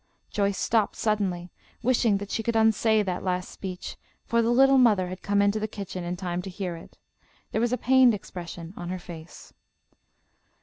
Joyce stopped suddenly, wishing that she could unsay that last speech, for the little mother had come into the kitchen in time to hear it. There was a pained expression on her face.